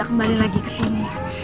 kembali lagi kesini